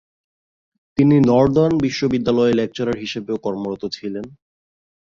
তিনি নর্দান বিশ্ববিদ্যালয়ে লেকচারার হিসেবেও কর্মরত ছিলেন।